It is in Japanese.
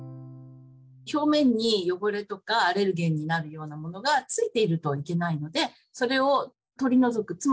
表面に汚れとかアレルゲンになるようなものがついているといけないのでそれを取り除く。